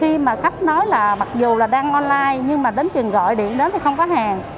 khi mà khách nói là mặc dù là đang online nhưng mà đến trường gọi điện đến thì không có hàng